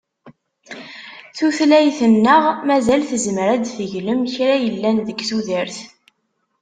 Tutlayt-nneɣ mazal tezmer ad d-teglem kra yellan deg tudert.